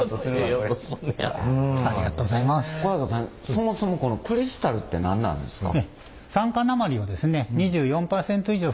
そもそもこのクリスタルって何なんですか？